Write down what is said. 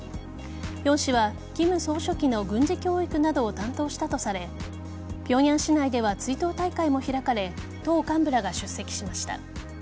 ヒョン氏は金総書記の軍事教育などを担当したとされ平壌市内では追悼大会も開かれ党幹部らが出席しました。